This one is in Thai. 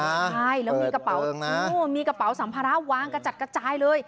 ใช่แล้วมีกระเป๋ามีกระเป๋าสัมภาระวางกระจัดกระจายเลย